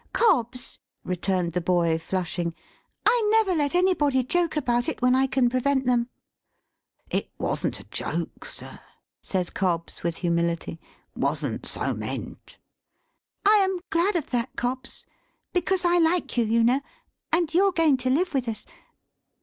"Cobbs," returned the boy, flushing, "I never let anybody joke about it, when I can prevent them." "It wasn't a joke, sir," says Cobbs, with humility, "wasn't so meant." "I am glad of that, Cobbs, because I like you, you know, and you're going to live with us.